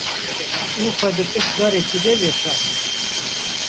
Û xwe di piş darekê de veşart.